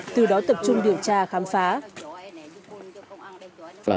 từ đó tập trung điều tra khám phá